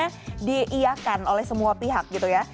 yang diiakan oleh semua pihak gitu ya